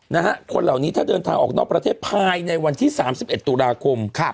นะฮะคนเหล่านี้ถ้าเดินทางออกนอกประเทศภายในวันที่สามสิบเอ็ดตุลาคมครับ